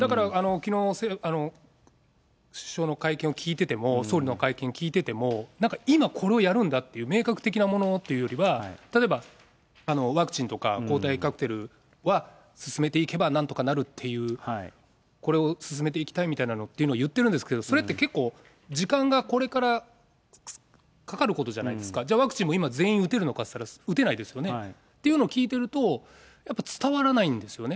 きのう、首相の会見を聞いてても、総理の会見聞いてても、なんか今、これをやるんだっていう明確的なものというよりは、例えば、ワクチンとか、抗体カクテルは、進めていけばなんとかなるっていう、これを進めていきたいっていうのを言ってるんですけど、それって結構、時間がこれからかかることじゃないですか、じゃあ、ワクチンも今、全員打てるのかといったら打てないですよね。というのを聞いていると、やっぱり伝わらないんですよね。